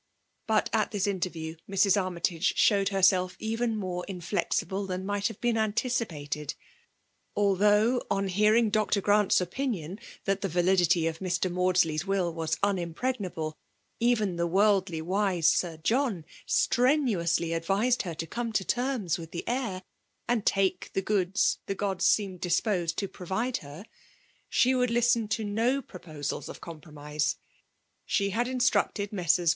But at this interview Mrs. Armytage showed herself even more inflexible t}ian might have been anticipated. Although, on hearing Dr. Grant's opinion that the validity of Mr. FEVAU tXmiVATKmi 90^ Kaud8ley*« mU was unimpregnable, even the irtnrldfy^vbe £Kr John strenuously advised heif to eomo to tenns Ivith the heir« and talee ^ goodb the gods seemed disposed to provide hefj she would listen to no proposals of ecsn^ pi^mise. She had instructed Messrs.